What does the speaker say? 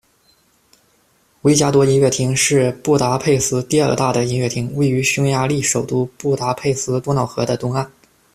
维加多音乐厅是布达佩斯第二大的音乐厅，位于匈牙利首都布达佩斯多瑙河的东岸。